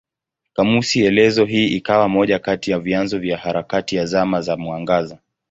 Kamusi elezo hii ikawa moja kati ya vyanzo vya harakati ya Zama za Mwangaza.